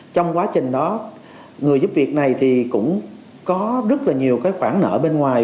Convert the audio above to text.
trong quá trình đó người giúp việc này thì cũng có rất là nhiều cái khoản nợ bên ngoài